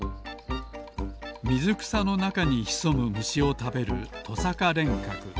みずくさのなかにひそむむしをたべるトサカレンカク。